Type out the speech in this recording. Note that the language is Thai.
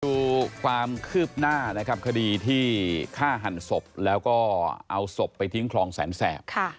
ดูความคืบหน้านะครับคดีที่ฆ่าหันศพแล้วก็เอาศพไปทิ้งคลองแสนแสบ